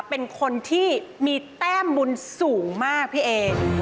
เป็นคนที่มีแต้มบุญสูงมากพี่เอ